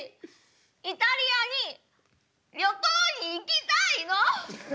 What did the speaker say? イタリアに旅行に行きたいの！